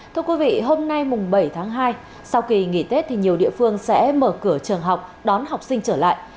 thưa quý vị hôm nay mùng bảy tháng hai sau kỳ nghỉ tết thì nhiều địa phương sẽ mở cửa trường học đón học sinh trở lại